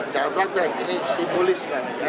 cara berlaku ini simbolis